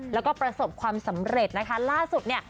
และก้ประสบความสำเร็จล่าสุดเนี่ย